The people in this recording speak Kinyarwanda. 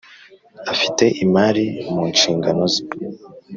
Afite imari mu nshingano ze